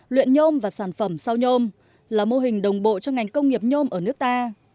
luyện nhôm và sản phẩm sau nhôm là mô hình đồng bộ cho ngành công nghiệp nhôm ở nước ta